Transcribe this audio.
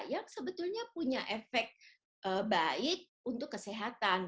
yang sebetulnya punya efek baik untuk kesehatan